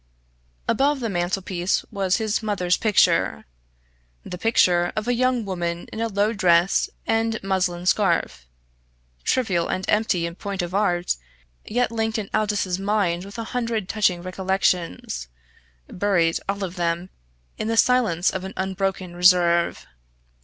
Above the mantelpiece was his mother's picture the picture of a young woman in a low dress and muslin scarf, trivial and empty in point of art, yet linked in Aldous's mind with a hundred touching recollections, buried all of them in the silence of an unbroken reserve.